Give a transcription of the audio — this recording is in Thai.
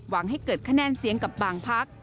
ให้เกิดคะแนนเสียงกับบางพัก